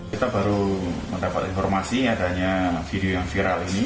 kita baru mendapat informasi adanya video yang viral ini